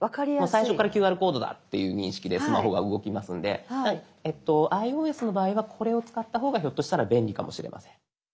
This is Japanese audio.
最初から「ＱＲコードだ」っていう認識でスマホが動きますのでｉＯＳの場合はこれを使った方がひょっとしたら便利かもしれません。